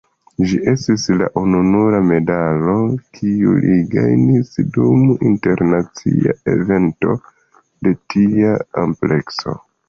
Ĝi estis la ununura medalo kiun li gajnis dum internacia evento de tia amplekso.